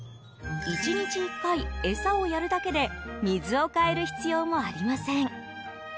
１日１回、餌をやるだけで水を替える必要もありません。